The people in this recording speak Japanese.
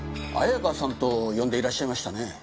あやかさんと呼んでいらっしゃいましたね。